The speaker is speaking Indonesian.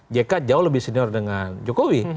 jk jauh lebih senior dengan jokowi